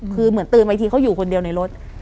คือเหมือนตื่นบางทีเขาอยู่คนเดียวในรถ